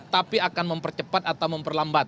tapi akan mempercepat atau memperlambat